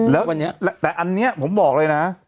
แล้วแต่อันนี้ผมบอกเลยนะ